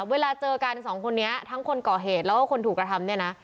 เวลาเจอกันสองคนนี้ทั้งคนก่อเหตุแล้วก็คนถูกกระทำเนี่ยนะ